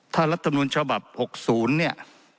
ถ้ารัฐธรรมดุลฉบับ๖๐เนี่ย